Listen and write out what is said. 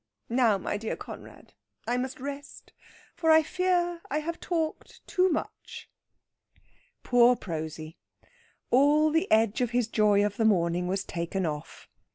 Now, my dear Conrad, I must rest, for I fear I have talked too much." Poor Prosy! All the edge of his joy of the morning was taken off.